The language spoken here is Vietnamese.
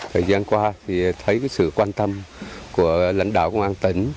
thời gian qua thì thấy sự quan tâm của lãnh đạo công an tỉnh